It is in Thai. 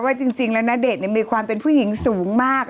ว่าจริงแล้วณเดชน์มีความเป็นผู้หญิงสูงมาก